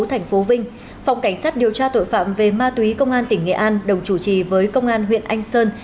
thành phố vinh phòng cảnh sát điều tra tội phạm về ma túy công an tỉnh nghệ an đồng chủ trì với công an huyện anh sơn